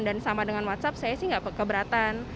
dan sama dengan whatsapp saya sih enggak keberatan